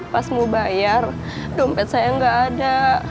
pas mau bayar dompet saya nggak ada